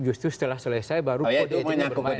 justru setelah selesai baru kode etiknya berubah